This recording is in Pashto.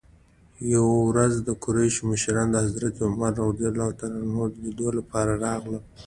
یوې ورځ د قریشو مشران د حضرت عمر لیدلو لپاره راغلل.